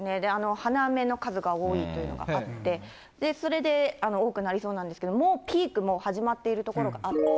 花芽の数が多いというのがあって、それで多くなりそうなんですけれども、もうピークもう始まっている所があって。